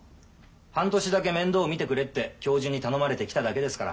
半年だけ面倒見てくれって教授に頼まれて来ただけですから。